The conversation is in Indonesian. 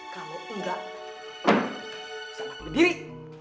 kalau enggak bisa mati berdiri